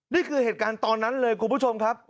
นี่คือเหตุการณ์ตอนนั้นเลยคุณผู้ชมครับ